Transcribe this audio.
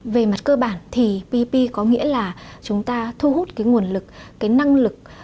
về mặt cơ bản thì ppp có nghĩa là chúng ta thu hút cái nguồn lực cái năng lực